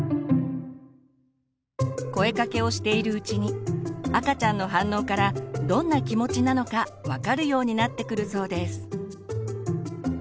声かけをしているうちに赤ちゃんの反応からどんな気持ちなのか分かるようになってくるそうです。